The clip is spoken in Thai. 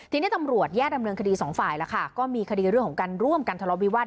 ทีนี้ตำรวจแยกดำเนินคดีสองฝ่ายแล้วค่ะก็มีคดีเรื่องของการร่วมกันทะเลาวิวาส